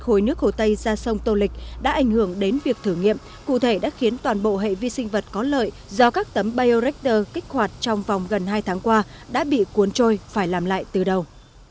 hồ nước hồ tây ra sông tô lịch đã ảnh hưởng đến việc thử nghiệm cụ thể đã khiến toàn bộ hệ vi sinh vật có lợi do các tấm biorector kích hoạt trong vòng gần hai tháng qua đã bị cuốn trôi phải làm lại từ đầu